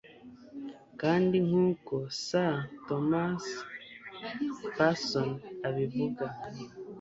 Kandi nkuko Sir Thomas Parson abivuga